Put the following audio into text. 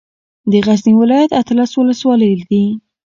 د غزني ولايت اتلس ولسوالۍ دي